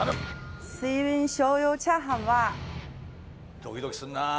ドキドキするなあ。